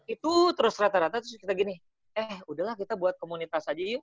itu terus rata rata terus kita gini eh udahlah kita buat komunitas aja yuk